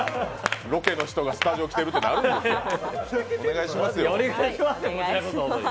ロケの人がスタジオ来てるってなるんや、お願いしますよ。